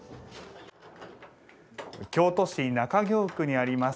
京都市中京区にあります